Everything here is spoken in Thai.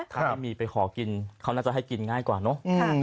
ถ้าไม่มีไปขอกินเขาน่าจะให้กินง่ายกว่าเนอะ